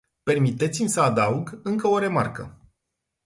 Permiteți-mi să adaug încă o remarcă.